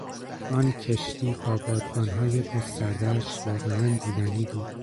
آن کشتی با بادبانهای گستردهاش واقعا دیدنی بود.